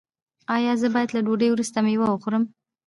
ایا زه باید له ډوډۍ وروسته میوه وخورم؟